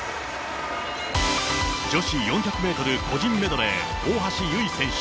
女子４００メートル個人メドレー、大橋悠依選手。